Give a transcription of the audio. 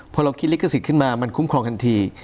พอเราคิดลิขสิทธิ์ขึ้นมามันคุ้มครองทันที